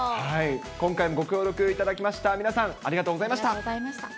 今回もご協力いただきました皆さん、ありがとうございました。